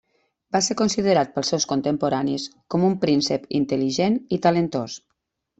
Va ser considerat pels seus contemporanis com un príncep intel·ligent i talentós.